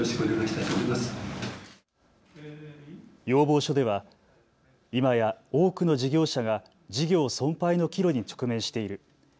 要望書ではいまや多くの事業者が事業存廃の岐路に直面している。